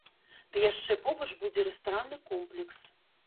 Ды яшчэ побач будзе рэстаранны комплекс.